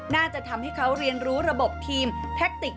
น่าจะทำให้เขาเรียนรู้ระบบทีมแท็กติก